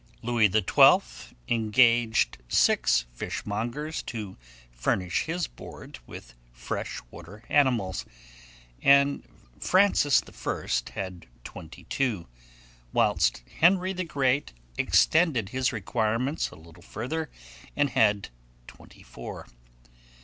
Louis XII. engaged six fishmongers to furnish his board with fresh water animals, and Francis I. had twenty two, whilst Henry the Great extended his requirements a little further, and had twenty four.